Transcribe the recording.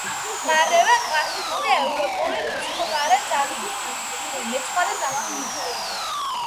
მარემა კლასიკური ევროპული მეცხვარე ძაღლია.